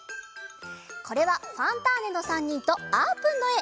これは「ファンターネ！」の３にんとあーぷんのえ！